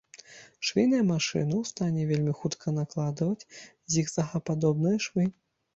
Швейныя машыны ў стане вельмі хутка накладваць зігзагападобныя швы.